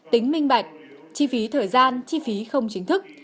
tính minh bạch chi phí thời gian chi phí không chính thức